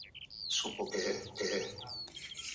Actualmente es utilizado por el filial.